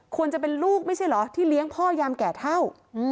ควรจะเป็นลูกนี่ที่เลี้ยงพ่อยามแก่เท่า